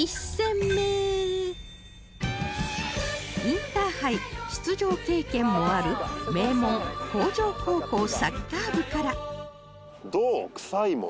インターハイ出場経験もある名門向上高校サッカー部から